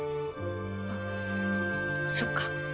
あっそっか。